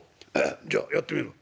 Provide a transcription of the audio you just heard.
じゃあやってみる。